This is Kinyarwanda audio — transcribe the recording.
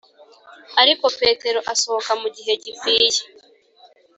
ariko petero asohoka mu gihe gikwiye,